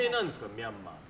ミャンマーって。